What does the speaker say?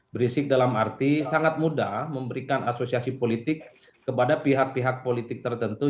berisik dalam arti sangat mudah memberikan asosiasi politik kepada pihak pihak politik tertentu